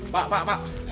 pak pak pak